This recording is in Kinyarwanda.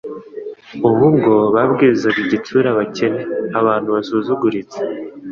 Ubwo bo babwizaga igitsure abakene, abantu basuzuguritse,